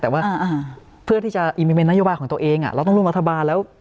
แต่ว่าเพื่อที่จะอีมิเมนต์นโยบายของตัวเองเราต้องร่วมรัฐบาลแล้ว